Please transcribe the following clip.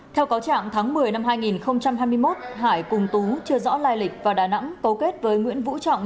theo cáo trạng tháng một mươi năm hai nghìn hai mươi một hải cùng tú chưa rõ lai lịch vào đà nẵng cấu kết với nguyễn vũ trọng